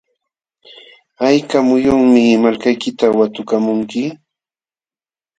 ¿hayka muyunmi malkaykita watukamunki?